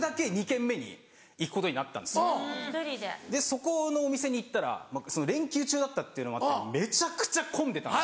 そこのお店に行ったら連休中だったっていうのもあってめちゃくちゃ混んでたんです。